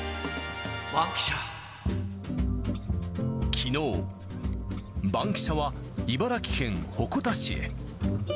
きのう、バンキシャは茨城県鉾田市へ。